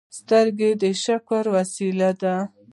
سترګې د شکر وسیله ده